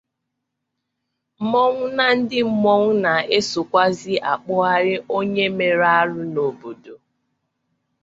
mmọnwụ na ndị mmọnwụ na-esòkwazị akpụgharị onye mere arụ n'obodo